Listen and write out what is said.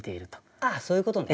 あっそういうことね。